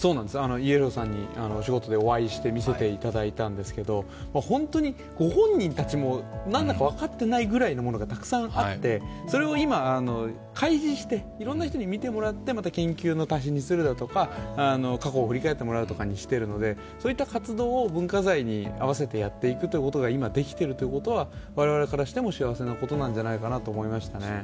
家広さんに実際お見せしていただいたんですけど本当ご本人たちも何だか分かってないようなものもたくさんあってそれを今、開示していろんな人に見てもらって研究の足しにするだとか過去を振り返ってもらうとかにしてもらっているのでそういった活動を文化財にあわせてやっていくということが今、できてるということは我々としても幸せなことなんじゃないかと思いますね。